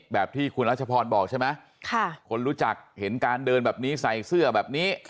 แบบที่คุณรัชพรบอกใช่ไหมคนรู้จักเห็นการเดินแบบนี้ใส่เสื้อแบบนี้